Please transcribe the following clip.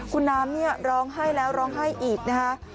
คุณน้ำเนี่ยร้องไห้แล้วร้องไห้อีกนะคะ